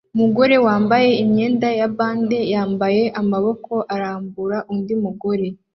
Umugore wambaye imyenda ya bande yambaye amaboko arambura undi mugore